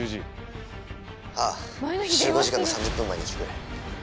ああ集合時間の３０分前に来てくれ。